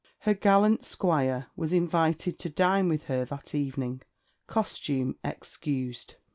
Her gallant squire was invited to dine with her that evening, costume excused.